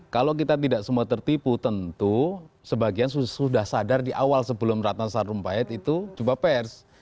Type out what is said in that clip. kalau kita tidak semua tertipu tentu sebagian sudah sadar di awal sebelum ratna sarumpahit itu jumpa pers